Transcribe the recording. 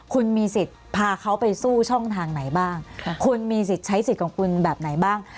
คุณมีสิทธิ์พาเขาไปสู้ช่องทางไหนบ้างคุณมีสิทธิ์ใช้สิทธิ์ของคุณแบบไหนบ้าง